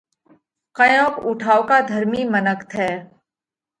ڪيونڪ اُو ٺائُوڪا ڌرمِي منک ٿئه۔